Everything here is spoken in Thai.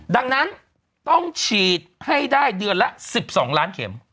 ดังนั้นต้องฉีดให้ได้เดือนละ๑๒ล้านเข็ม